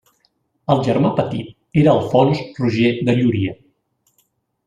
El germà petit era Alfons Roger de Llúria.